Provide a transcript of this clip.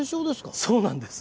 そうなんです。